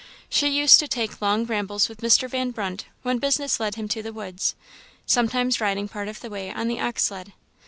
She used to take long rambles with Mr. Van Brunt when business led him to the woods, sometimes riding part of the way on the ox sled.